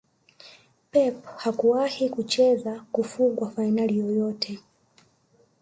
Pep hakuwahi kucheza kufungwa fainali yoyote